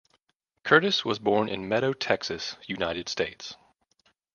Curtis was born in Meadow, Texas, United States.